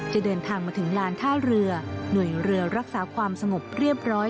จะเดินทางมาถึงลานท่าเรือหน่วยเรือรักษาความสงบเรียบร้อย